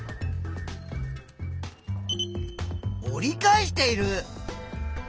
折り返している！